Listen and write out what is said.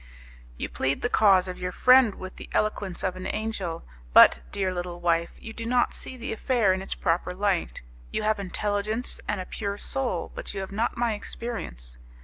"You plead the cause of your friend with the eloquence of an angel, but, dear little wife, you do not see the affair in its proper light. You have intelligence and a pure soul, but you have not my experience.